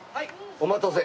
お待たせ。